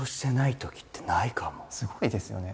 すごいですよね。